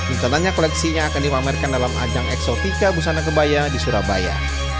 rencananya koleksinya akan dipamerkan dalam ajang eksotika busana kebaya di surabaya